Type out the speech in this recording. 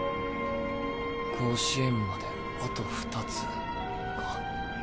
甲子園まであと２つか。